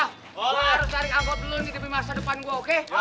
gue harus tarik angkot lo nih di masa depan gue oke